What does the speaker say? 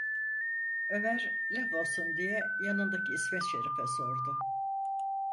Ömer laf olsun diye yanındaki İsmet Şerif’e sordu: